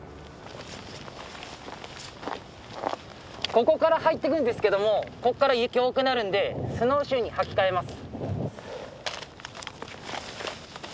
ここから入っていくんですけどもこっから雪多くなるんでスノーシューに履き替えます。